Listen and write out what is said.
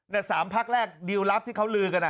ใน๓พักแรกดีลลับที่เขาลือกันอะ